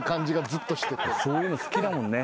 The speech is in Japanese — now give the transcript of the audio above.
そういうの好きだもんね。